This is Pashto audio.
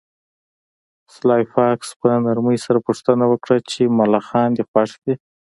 سلای فاکس په نرمۍ سره پوښتنه وکړه چې ملخان دې خوښ دي